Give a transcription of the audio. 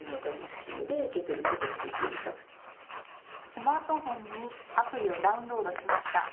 スマートフォンにアプリをダウンロードしました。